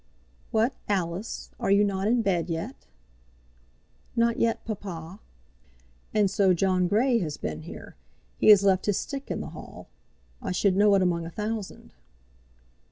"What, Alice, are you not in bed yet?" "Not yet, papa." "And so John Grey has been here. He has left his stick in the hall. I should know it among a thousand."